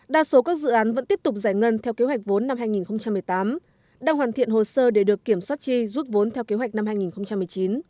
đa số các dự án vẫn tiếp tục giải ngân theo kế hoạch vốn năm hai nghìn một mươi tám đang hoàn thiện hồ sơ để được kiểm soát chi giúp vốn theo kế hoạch năm hai nghìn một mươi chín